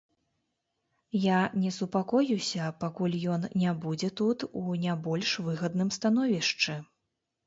Я не супакоюся, пакуль ён не будзе тут у не больш выгадным становішчы.